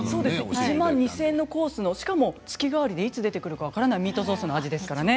１万２，０００円のコースのしかも月替わりでいつ出てくるか分からないミートソースの味ですからね。